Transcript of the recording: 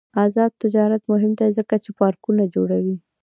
آزاد تجارت مهم دی ځکه چې پارکونه جوړوي.